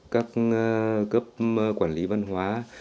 các cấp quản lý văn hóa